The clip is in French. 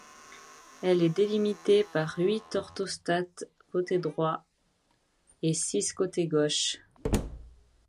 Elle est délimitée par huit orthostates côté droit et six côté gauche.